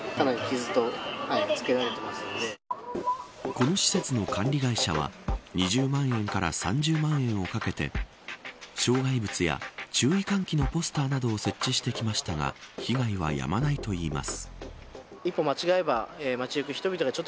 この施設の管理会社は２０万円から３０万円をかけて障害物や注意喚起のポスターなどを設置してきましたが被害はやまないといいます。